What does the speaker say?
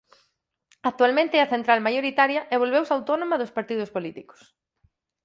Actualmente é a central maioritaria e volveuse autónoma dos partidos políticos.